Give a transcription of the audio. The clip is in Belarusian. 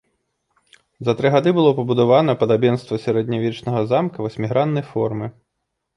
За тры гады было пабудавана падабенства сярэднявечнага замка васьміграннай формы.